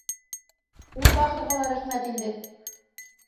Ул бахырға ла рәхмәт инде.